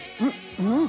うん！